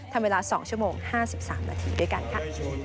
ทำเวลา๒ชั่วโมง๕๓นาทีด้วยกันค่ะ